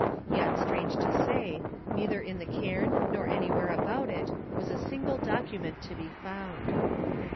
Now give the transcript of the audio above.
Yet, strange to say, neither in the cairn nor anywhere about it was a single document to be found.